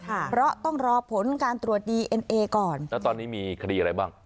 เพราะต้องรอผลการตรวจดีเอ็นเอก่อนแล้วตอนนี้มีคดีอะไรบ้าง